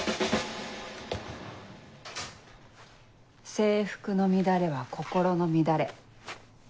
制服の乱れは心の乱れ。